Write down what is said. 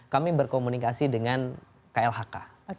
kami berkomunikasi dengan klhk